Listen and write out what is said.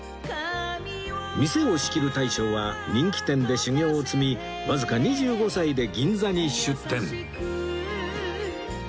店を仕切る大将は人気店で修業を積みわずか２５歳で銀座に出店